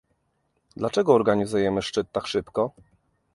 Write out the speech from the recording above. dlaczego organizujemy szczyt tak szybko?